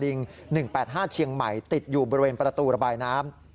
๑๘๕เชียงใหม่ติดอยู่บริเวณประตูระบายน้ำ